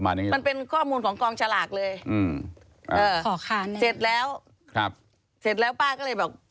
มันเป็นข้อมูลของกองฉลากเลยเสร็จแล้วป้าก็เลยแบบ